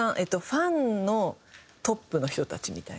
ファンのトップの人たちみたいな。